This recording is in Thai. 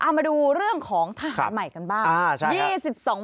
เอามาดูเรื่องของทหารใหม่กันบ้าง